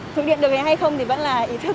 thực hiện được hè hay không thì vẫn là ý thức